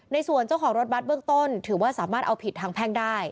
ในส่วนของรถบัตรเบื้องต้นถือว่าสามารถเอาผิดทางแพ่งได้